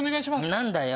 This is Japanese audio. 何だよ？